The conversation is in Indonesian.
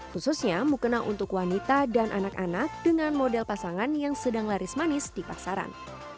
khususnya mukena untuk wanita dan anak anak dengan model pasangan yang sedang laris manis di pasaran